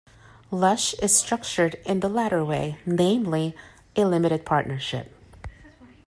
Lush is structured in the latter way, namely a limited partnership.